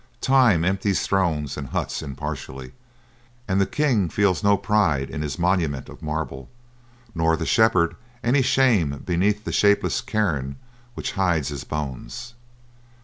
Time empties thrones and huts impartially, and the king feels no pride in his monument of marble, nor the shepherd any shame beneath the shapeless cairn which hides his bones.